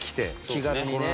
気軽にね。